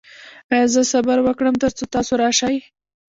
ایا زه صبر وکړم تر څو تاسو راشئ؟